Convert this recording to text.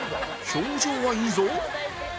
表情はいいぞ！